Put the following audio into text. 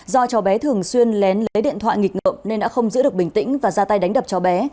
do cháu bé thường xuyên lén lấy điện thoại nghịch ngợm nên đã không giữ được bình tĩnh và ra tay đánh đập cháu bé